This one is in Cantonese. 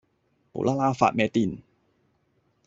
無啦啦發咩癲